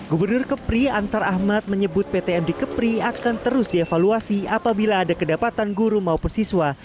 gubernur kepri ansar ahmad menyebut ptm di kepri akan terus dievaluasi apabila ada kedapatan guru maupun siswa